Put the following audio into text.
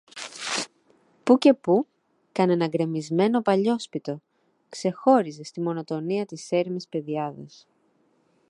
Πού και πού, κανένα γκρεμισμένο παλιόσπιτο ξεχώριζε στη μονοτονία της έρημης πεδιάδας.